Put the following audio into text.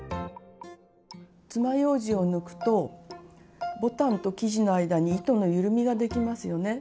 つまようじを抜くとボタンと生地の間に糸のゆるみができますよね。